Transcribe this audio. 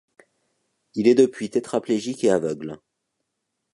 Il est depuis tétraplégique et aveugle.